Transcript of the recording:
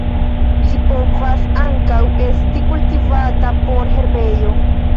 Ĝi povas ankaŭ esti kultivata por herbejo.